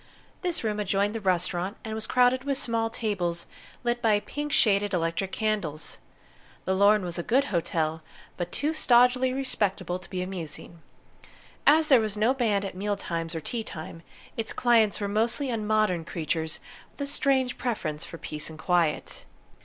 This room adjoined the restaurant, and was crowded with small tables lit by pink shaded electric candles. The Lorne was a good hotel, but too stodgily respectable to be amusing. As there was no band at meal times or tea time, its clients were mostly unmodern creatures with a strange preference for peace and quiet.